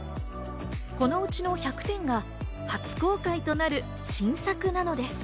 このうちの１００点が初公開となる新作なのです。